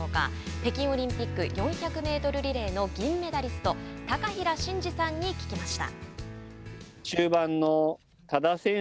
北京オリンピック４００メートルリレーの銀メダリスト高平慎士さんに聞きました。